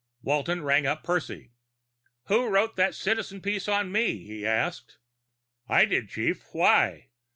_ Walton rang up Percy. "Who wrote that Citizen piece on me?" he asked. "I did, chief. Why?"